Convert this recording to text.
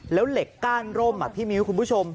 แล้วเหล็กก้านร่มพี่มิ้วคุณผู้ชม